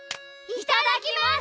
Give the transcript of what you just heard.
いただきます！